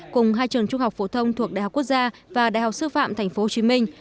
cùng hai trường trung học phổ thông thuộc đại học quốc gia và đại học sư phạm thành phố hồ chí minh